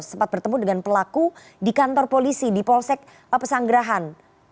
sempat bertemu dengan pelaku di kantor polisi di polsek pesanggerahan